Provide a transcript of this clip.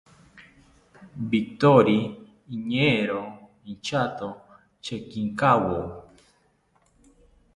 Victori iñeero inchato chekinkawo